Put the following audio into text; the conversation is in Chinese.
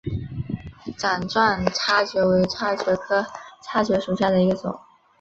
掌状叉蕨为叉蕨科叉蕨属下的一个种。